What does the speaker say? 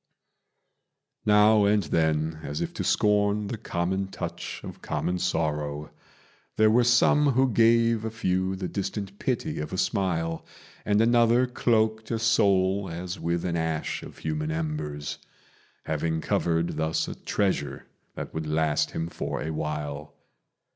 Now and then, as if to scorn the common touch of common sorrow, There were some who gave a few the distant pity of a smile; And another cloaked a soul as with an ash of human embers, Having covered thus a treasure that would last him for a while.